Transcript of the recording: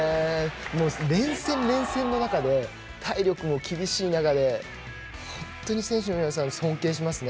連戦連戦の中で体力も厳しい中で本当に選手の皆さん尊敬しますね。